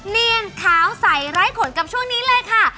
เนียนขาวใสไร้ขนกับช่วงนี้เลยค่ะ